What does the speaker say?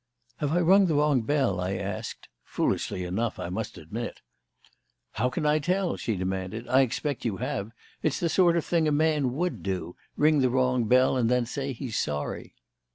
"Have I rung the wrong bell?" I asked foolishly enough, I must admit. "How can I tell?" she demanded. "I expect you have. It's the sort of thing a man would do ring the wrong bell and then say he's sorry."